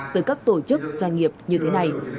từ các tổ chức doanh nghiệp như thế này